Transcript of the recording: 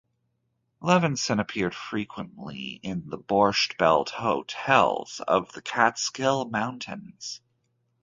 Levenson appeared frequently in the "Borscht Belt" hotels of the Catskill Mountains.